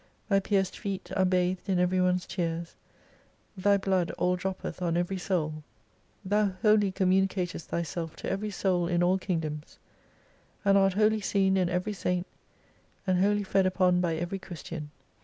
Thy pierced feet are bathed in every one's tears, Thy blood aU droppeth on every soul: Thou wholly communicatest Thyself to every soul in all kingdoms, and art wholly seen in every saint, and wholly fed upon by every Christian.